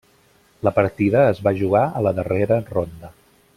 La partida es va jugar a la darrera ronda.